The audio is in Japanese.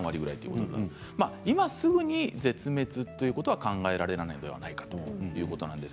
今すぐに絶滅ということは考えられないのではないかということです。